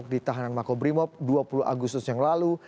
di tahanan makobrimob dua puluh agustus yang lalu